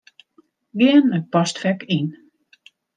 Gean nei Postfek Yn.